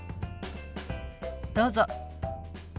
どうぞ。